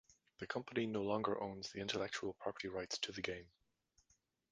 The company no longer owns the intellectual property rights to the game.